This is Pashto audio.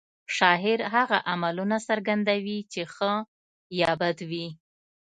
شاعر هغه عملونه څرګندوي چې ښه یا بد وي